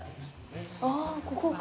ああ、ここか。